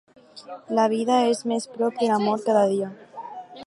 La vida és més prop de la mort cada dia.